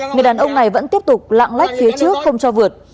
người đàn ông này vẫn tiếp tục lạng lách phía trước không cho vượt